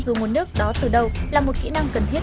dùng nguồn nước đó từ đầu là một kĩ năng cần thiết